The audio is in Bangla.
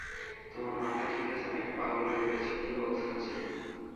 তোমার মাথা ঠিক আছে, নাকি পাগল হয়ে গেছো, কী বলছেন স্যার?